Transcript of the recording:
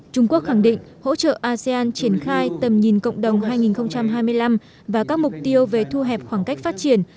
trung quốc khẳng định hỗ trợ asean triển khai tầm nhìn cộng đồng hai nghìn hai mươi năm và các mục tiêu về thu hẹp khoảng cách phát triển